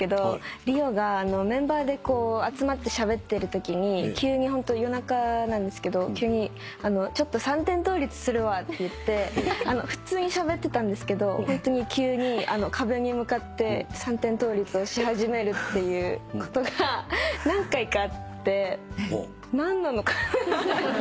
ＲＩＯがメンバーで集まってしゃべってるときに夜中なんですけど急に「ちょっと三点倒立するわ」って言って普通にしゃべってたんですけどホントに急に壁に向かって三点倒立をし始めるっていうことが何回かあって何なのかなって。